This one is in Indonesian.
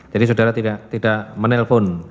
jadi saudara tidak menelpon